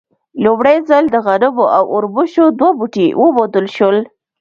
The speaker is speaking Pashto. لومړی ځل د غنمو او اوربشو دوه بوټي وموندل شول.